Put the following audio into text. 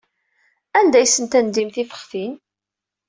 Anda ay asen-tendim tifextin?